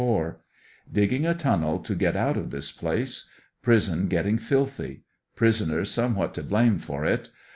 — Digging a tunnel to get out of this place. Prison getting filthy. Prisoners somewhat to blame for it.